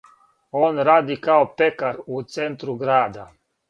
Он ради као пекар у центру града.